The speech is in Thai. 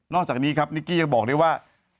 อกจากนี้ครับนิกกี้ยังบอกได้ว่า